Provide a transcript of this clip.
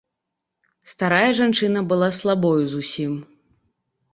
Старая жанчына была слабою зусім.